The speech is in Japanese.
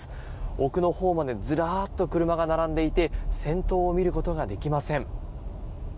奥のほうまでずらっと車が並んでいて先頭を見ることができません。